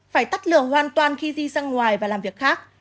phải tắt lửa hoàn toàn khi di sang ngoài và làm việc khác